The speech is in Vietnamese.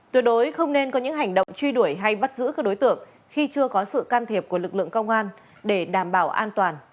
tuyệt đối không nên có những hành động truy đuổi hay bắt giữ các đối tượng khi chưa có sự can thiệp của lực lượng công an để đảm bảo an toàn